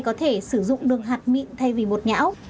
có thể sử dụng đường hạt mịn thay vì một nhão